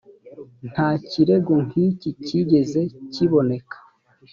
nta kirego nk’iki kigeze kiboneka